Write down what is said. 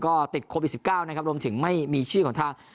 ก็ติดโควิด๑๙นะครับรวมถึงไม่มีชื่อของทาง